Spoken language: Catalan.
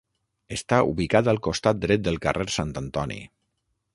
Està ubicat al costat dret del carrer Sant Antoni.